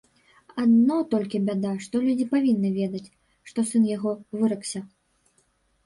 Адно толькі бяда, што людзі павінны ведаць, што сын яго выракся.